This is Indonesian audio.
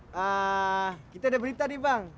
nah kita ada berita nih bang